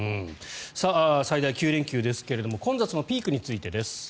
最大９連休ですけれど混雑のピークについてです。